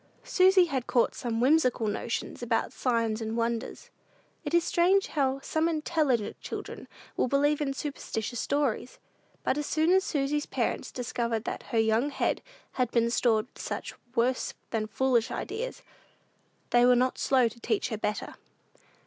Susy had caught some whimsical notions about "signs and wonders." It is strange how some intelligent children will believe in superstitious stories! But as soon as Susy's parents discovered that her young head had been stored with such worse than foolish ideas, they were not slow to teach her better.